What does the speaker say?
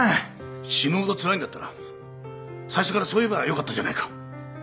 死ぬほどつらいんだったら最初からそう言えばよかったじゃないか。